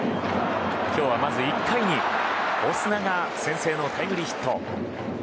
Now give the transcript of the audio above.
今日はまず１回、オスナが先制のタイムリーヒット。